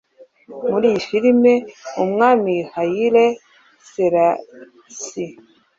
Muri iyi filimi umwami Haile Selassie